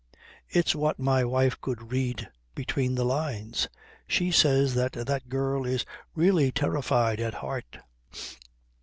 It's what my wife could read between the lines. She says that the girl is really terrified at heart."